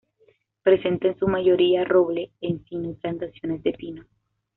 Presenta en su mayoría roble, encino y plantaciones de pino.